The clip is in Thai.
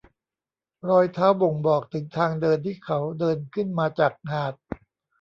รอยเท้าบ่งบอกถึงทางเดินที่เขาเดินขึ้นมาจากหาด